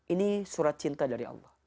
ini surat cinta dari allah